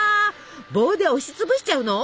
棒で押しつぶしちゃうの？